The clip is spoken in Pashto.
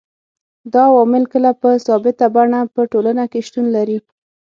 دا عوامل کله په ثابته بڼه په ټولنه کي شتون لري